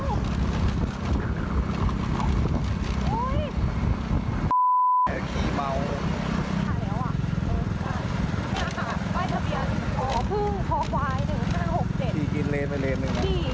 มันเมาพี่มันเมา